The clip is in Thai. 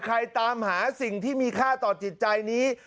ตามหาสิ่งที่มีค่าต่อจิตใจนี้